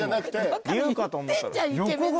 龍かと思ったら。